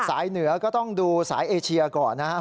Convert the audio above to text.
เหนือก็ต้องดูสายเอเชียก่อนนะครับ